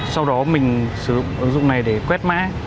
sau đó mình sử dụng ứng dụng này để quét mã